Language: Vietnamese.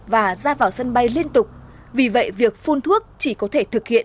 và đánh dấu